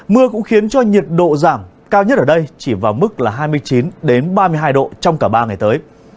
mưa cũng khiến cho nhiệt độ giảm cao nhất ở đây chỉ vào mức là hai mươi chín ba mươi hai độ trong cả ba ngày tới